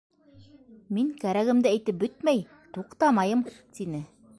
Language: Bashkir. Мин кәрәгемде әйтеп бөтмәй туҡтамайым! — тине.